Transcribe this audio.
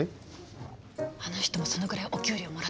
あの人もそのぐらいお給料もらってるってこと？